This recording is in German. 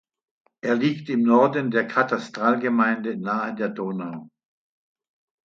Er liegt im Norden der Katastralgemeinde nahe der Donau.